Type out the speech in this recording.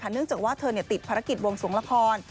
เนื่องจากว่าเธอติดภารกิจวงสวงละคร